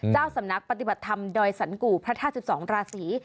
เจ้าสำนักปฏิบัติธรรมดรสรรค์กูพระท่าสิบสองราศรี